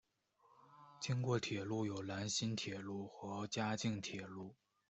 经过铁路有兰新铁路和嘉镜铁路。